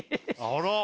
あら。